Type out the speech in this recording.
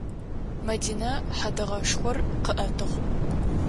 Мэдинэ хьэдэгъэшхор къыӏэтыгъ.